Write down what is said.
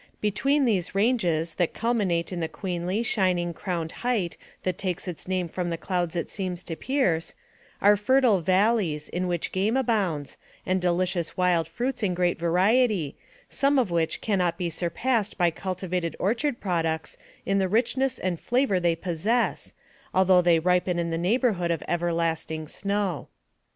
Between these ranges, that cul minate in the queenly, shining crowned height that takes its name from the clouds it seems to pierce, are fertile valleys, in which game abounds, and delicious wild fruits in great variety, some of which can not be surpassed by cultivated orchard products in the rich ness and flavor they possess, although they ripen in the neighborhood of everlasting snow.